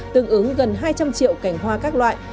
tương ứng gần hai trăm linh triệu cành hoa các loại